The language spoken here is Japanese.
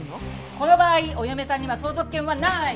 この場合お嫁さんには相続権はない！